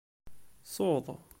Suḍ.